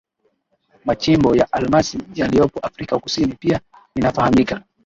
machimbo ya almasi yaliyopo Afrika Kusini Pia linafahamika